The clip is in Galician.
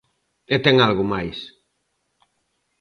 E ten algo máis.